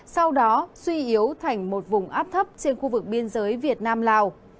sau đó suy yếu thành một vùng áp thấp trên khu vực biên giới việt nam lào